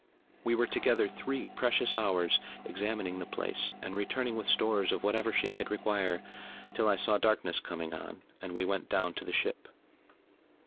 We were together three precious hours, examining the place, and returning with stores of whatever she might require, till I saw darkness coming on, and we went down to the ship.